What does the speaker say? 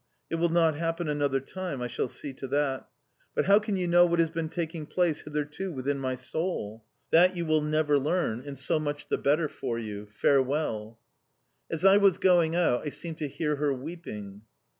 It will not happen another time; I shall see to that... But how can you know what has been taking place hitherto within my soul? That you will never learn, and so much the better for you. Farewell." As I was going out, I seemed to hear her weeping.